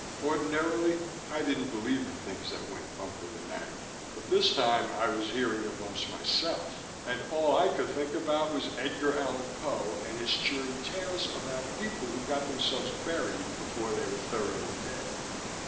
Ordinarily I didn't believe in things that went bump in the night, but this time I was hearing the bumps myself, and all I could think about was Edgar Allen Poe and his cheery tales about people who got themselves buried before they were thoroughly dead.